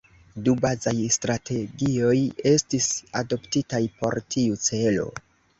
Du bazaj strategioj estis adoptitaj por tiu celo.